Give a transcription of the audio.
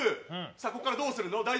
ここからどうするの？